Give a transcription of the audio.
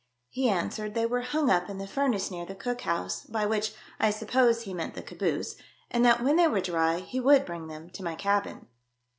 He answered they ^vere hung up in the furnace near the cookhouse, by which I suppose he meant the caboose, and that when they were dry he would bring them to my cabin.